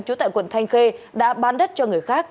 trú tại quận thanh khê đã bán đất cho người khác